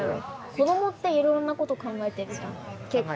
子どもっていろんなこと考えてるじゃん結構。